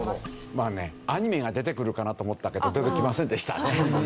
まあねアニメが出てくるかなと思ったけど出てきませんでしたね。